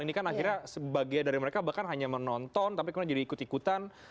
ini kan akhirnya sebagian dari mereka bahkan hanya menonton tapi kemudian jadi ikut ikutan